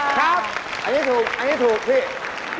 ครับอันนี้ถูกอันนี้ถูกพี่